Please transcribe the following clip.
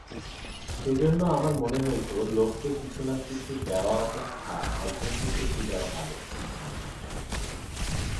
সেজন্য আমার মনে হইত, লোককে কিছু কিছু দেওয়া অপেক্ষা একজনকে বেশী দেওয়া ভাল।